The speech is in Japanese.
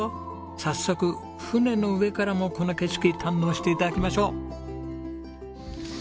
早速船の上からもこの景色堪能して頂きましょう。